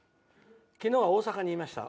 昨日は大阪にいました。